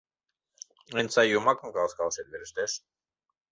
Эн сай йомакым каласкалашет верештеш.